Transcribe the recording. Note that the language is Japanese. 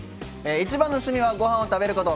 一番の趣味はご飯を食べること！